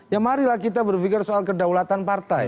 ya marilah kita berpikir soal kedaulatan partai